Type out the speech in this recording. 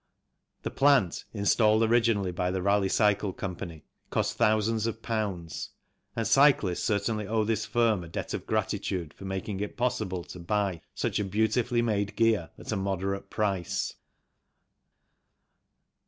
The plant, installed originally by the Raleigh Cycle Co., cost thousands of pounds, and cyclists certainly owe this firm a debt of gratitude for making it possible to buy such a beautifully made gear at a moderate price.